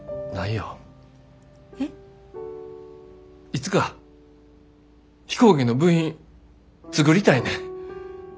いつか飛行機の部品作りたいねん。